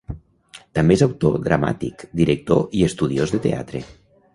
També és autor dramàtic, director i estudiós de teatre.